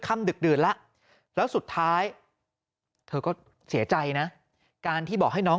ดึกดื่นแล้วแล้วสุดท้ายเธอก็เสียใจนะการที่บอกให้น้อง